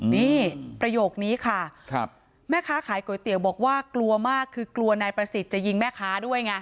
นี่ประโยคนี้ค่ะแม่ค้าขายก๋วยเตี๋ยวบอกว่ากลัวมากคือกลัวนายประสิทธิ์จะยิงแม่ค้าด้วยไง